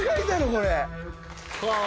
これ。